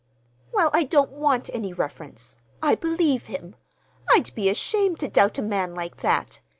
"Well, I don't want any reference. I believe him. I'd be ashamed to doubt a man like that!